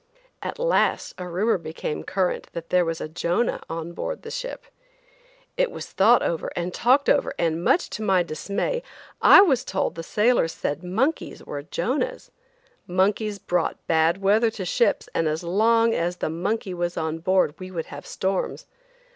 At last a rumor became current that there was a Jonah on board the ship. It was thought over and talked over and, much to my dismay, I was told that the sailors said monkeys were Jonahs. Monkeys brought bad weather to ships, and as long as the monkey was on board we would have storms.